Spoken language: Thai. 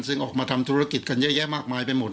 ซึ่งออกมาทำธุรกิจกันเยอะแยะมากมายไปหมด